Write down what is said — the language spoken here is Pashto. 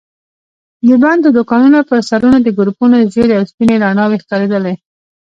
د بندو دوکانونو پر سرونو د ګروپونو ژېړې او سپينې رڼا وي ښکارېدلې.